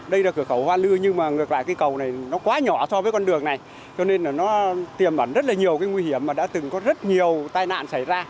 đây là cửa khẩu hoa lư nhưng mà ngược lại cây cầu này nó quá nhỏ so với con đường này cho nên là nó tiềm ẩn rất là nhiều cái nguy hiểm mà đã từng có rất nhiều tai nạn xảy ra